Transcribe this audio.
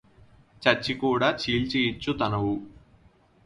చచ్చి కూడ చీల్చి యిచ్చు తనువు